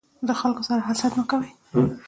د خلکو سره حسد مه کوی.